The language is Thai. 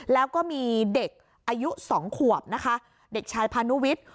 แล้วก็มีเด็กอายุ๒ขวบนะคะเด็กชายพานุวิทย์